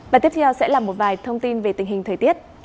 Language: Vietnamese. và tiếp theo sẽ là một vài thông tin về tình hình thời tiết